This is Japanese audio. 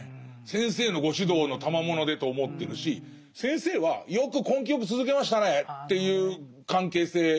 先生のご指導のたまものでと思ってるし先生はよく根気よく続けましたねっていう関係性なんですよ。